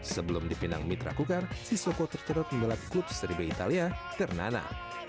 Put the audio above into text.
sebelum dipindang mitra kukar sisoko tercedot menjelang klub seribu italia ternana